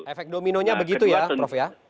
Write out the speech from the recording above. efek dominonya begitu ya prof ya